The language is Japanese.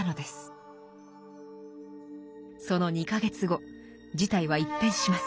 その２か月後事態は一変します。